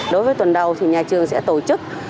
đối với tuần đầu thì nhà trường sẽ tổ chức